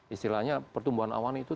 istilahnya pertumbuhan awan itu